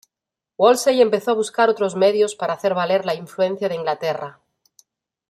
Wolsey empezó a buscar otros medios para hacer valer la influencia de Inglaterra.